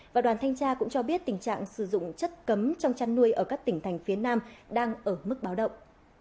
và đoàn thanh tra cũng cho biết tình trạng sử dụng chất cấm trong chăn nuôi ở các tỉnh thành phía nam đang ở mức báo động